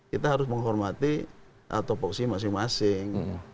kita harus menghormati topoksi masing masing